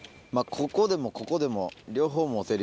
ここでもここでも。